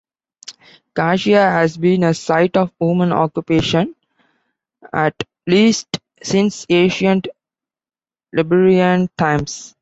Garcia has been a site of human occupation at least since ancient Iberian times.